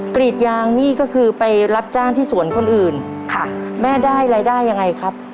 กรีดยางนี่ก็คือไปรับจ้างที่สวนคนอื่นค่ะแม่ได้รายได้ยังไงครับ